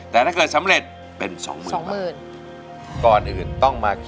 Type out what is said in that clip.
แต่ถ้าเกิดสำเร็จเป็น๒๐๐๐๐บาท